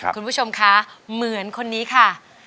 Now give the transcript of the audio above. คุณผู้ชมคะเหมือนคนนี้ค่ะ